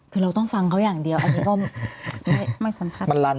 คือเราต้องฟังเขาอย่างเดียวอันนี้ก็ไม่สำคัญ